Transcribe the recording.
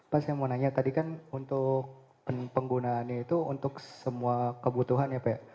pak saya mau nanya tadi kan untuk penggunaannya itu untuk semua kebutuhan ya pak